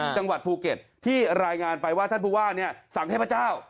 จังหวัดภูเก็ตที่รายงานไปว่าท่านผู้ว่าสั่งเทพเจ้า